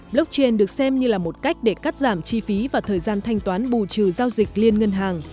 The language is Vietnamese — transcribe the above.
blockchain được xem như là một cách để cắt giảm chi phí và thời gian thanh toán bù trừ giao dịch liên ngân hàng